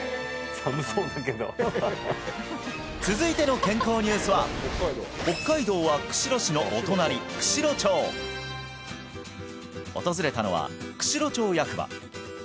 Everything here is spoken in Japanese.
寒そうだけど続いての健康ニュースは北海道は釧路市のお隣釧路町訪れたのは釧路町役場